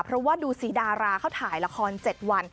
เพราะว่าดูสิดาราเขาถ่ายละคร๗วัน